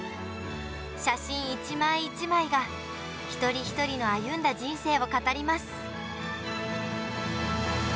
写真一枚一枚が、一人一人の歩んだ人生を語ります。